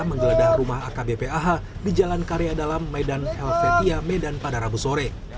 menggeledah rumah akbp ah di jalan karya dalam medan el fethia medan padarabu sore